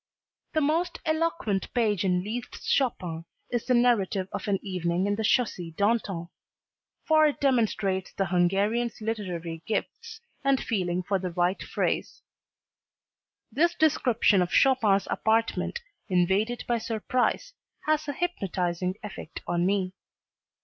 The most eloquent page in Liszt's "Chopin" is the narrative of an evening in the Chaussee d'Antin, for it demonstrates the Hungarian's literary gifts and feeling for the right phrase. This description of Chopin's apartment "invaded by surprise" has a hypnotizing effect on me.